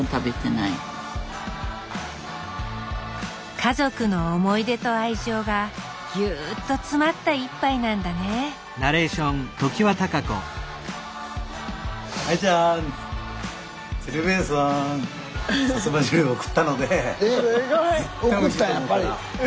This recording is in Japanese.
家族の思い出と愛情がぎゅっと詰まった一杯なんだねえ？